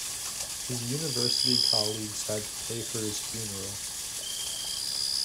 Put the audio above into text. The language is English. His university colleagues had to pay for his funeral.